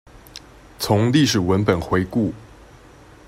從歷史文本回顧